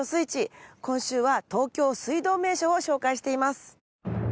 今週は東京水道名所を紹介しています。